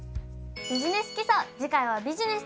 「ビジネス基礎」